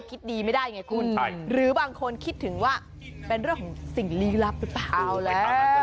คิดดีไม่ได้ไงคุณหรือบางคนคิดถึงว่าเป็นเรื่องของสิ่งลี้ลับหรือเปล่าเอาแล้ว